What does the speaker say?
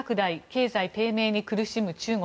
経済低迷に苦しむ中国。